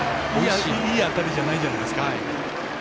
いい当たりじゃないじゃないですか。